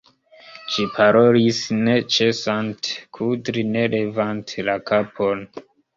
Ŝi parolis, ne ĉesante kudri, ne levante la kapon.